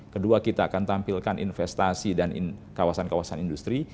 kedua kita akan tampilkan investasi dan kawasan kawasan industri